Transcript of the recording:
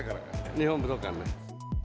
日本武道館で。